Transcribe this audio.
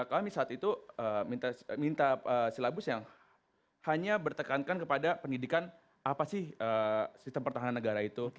kami saat itu minta silabus yang hanya bertekankan kepada pendidikan apa sih sistem pertahanan negara itu